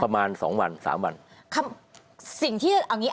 ประมาณ๒วัน๓วัน